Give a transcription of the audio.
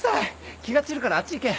気が散るからあっち行け！